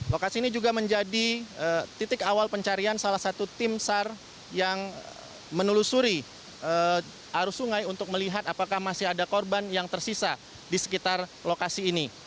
lokasi ini juga menjadi titik awal pencarian salah satu tim sar yang menelusuri arus sungai untuk melihat apakah masih ada korban yang tersisa di sekitar lokasi ini